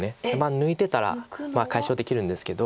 抜いてたら解消できるんですけど。